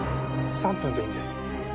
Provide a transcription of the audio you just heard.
３分でいいんです。